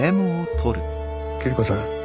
桐子さん。